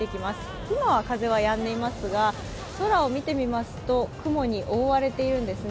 今は、風がやんでいますが空を見てみますと雲に覆われているんですね。